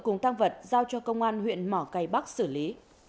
công an huyện mỏ cày bắc xử lý